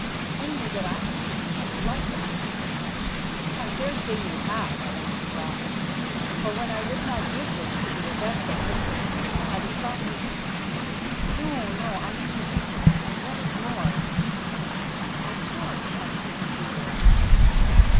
"Only that I have seen another like it." "I dare say you have," I answered, laughing, "for when I would not give this to the Augusta, it pleased her to have it copied." "No, no; I mean in Egypt, and, what is more, a story hung to the jewel."